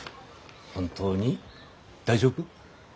本当に大丈夫？